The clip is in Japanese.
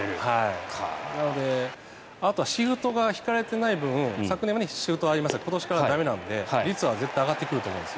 なのでシフトが敷かれていない分昨年まではシフトがありましたが今年からは駄目なので、率は絶対上がってくると思います。